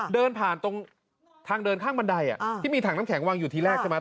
เดินผ่านตรงทางเดินข้างบันไดที่มีถังน้ำแข็งวางอยู่ทีแรกใช่ไหม